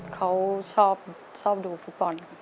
เขาชอบดูฟุตบอล